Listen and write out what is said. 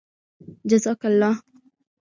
جزاك اللهُ